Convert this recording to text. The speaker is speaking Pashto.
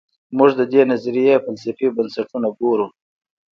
موږ د دې نظریې فلسفي بنسټونه ګورو.